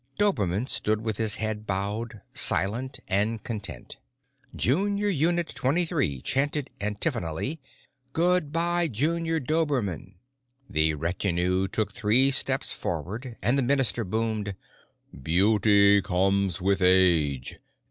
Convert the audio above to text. Dobermann stood with his head bowed, silent and content. Junior Unit Twenty Three chanted antiphonally: "Good by, Junior Dobermann!" The retinue took three steps forward, and the minister boomed, "Beauty comes with age.